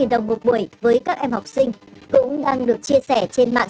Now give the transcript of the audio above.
một mươi năm đồng một buổi với các em học sinh cũng đang được chia sẻ trên mạng